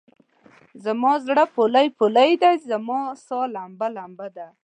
زما زړه پولۍ پولی دی، زما سا لمبه لمبه ده